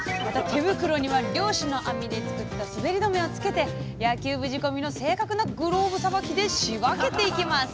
手袋には漁師の網で作った滑り止めをつけて野球部仕込みの正確なグローブさばきで仕分けていきます